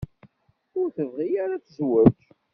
Ur tebɣi ara ad tezweǧ.